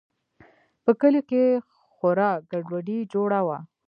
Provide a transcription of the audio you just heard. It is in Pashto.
په کلي کښې خورا گډوډي جوړه وه.